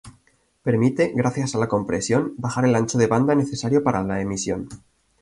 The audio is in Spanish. Permite, gracias a la compresión, bajar el ancho de banda necesario para la emisión.